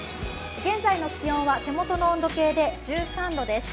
現在の気温は手元の温度計で１３度です。